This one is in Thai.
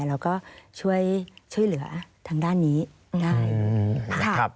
แล้วก็ช่วยเหลือทางด้านนี้ได้ค่ะ